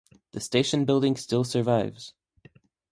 The station building still survives.